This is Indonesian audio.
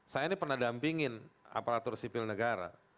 saya ini pernah dampingin aparatur sipil negara